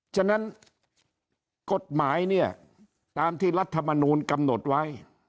ฉะนั้นกฎหมายเนี่ยตามที่รัฐมนูลกำหนดไว้